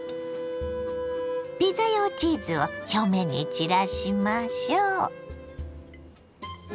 ピザ用チーズを表面に散らしましょう。